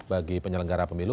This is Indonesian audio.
bagi penyelenggara pemilu